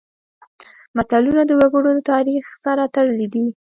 متلونه د وګړو د تاریخ سره تړلي دي